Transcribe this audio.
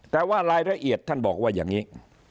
แต่ว่ารายละเอียดท่านบอกว่าอย่างนี้